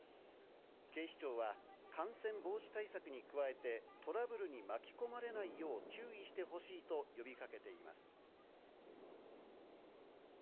警視庁は、感染防止対策に加えて、トラブルに巻き込まれないよう注意してほしいと呼びかけています。